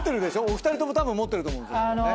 お二人ともたぶん持ってると思うんですよ。